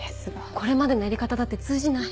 これまでのやり方だって通じない。